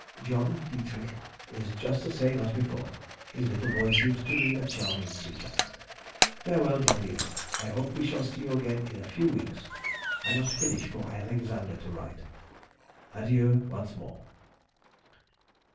John [Dietrich] is just the same as before, his little boy seems to be a charming creature. Farewell, dear Lina. I hope we shall see you again in a few weeks. I must finish for Alexander to write. Adieu once more.